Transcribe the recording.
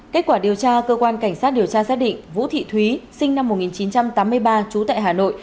kết quả điều tra cơ quan cảnh sát điều tra xác định vũ thị thúy sinh năm một nghìn chín trăm tám mươi ba trú tại hà nội